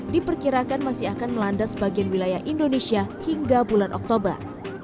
diperkirakan masih akan melanda sebagian wilayah indonesia hingga bulan oktober